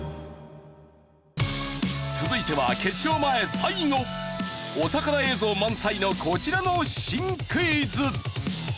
続いては決勝前最後お宝映像満載のこちらの新クイズ。